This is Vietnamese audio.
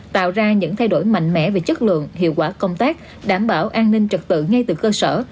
tạo ra những thay đổi mạnh mẽ về chất lượng hiệu quả công tác đảm bảo an ninh trật tự ngay từ cơ sở